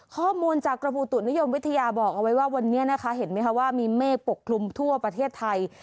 ข้อมูลจากกรมอุตุนิยมวิทยาบอกเอาไว้ว่าวันนี้นะคะเห็นไหมคะว่ามีเมฆปกคลุมทั่วประเทศไทย